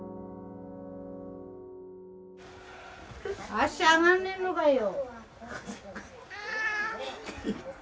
足上がんねえのかよ。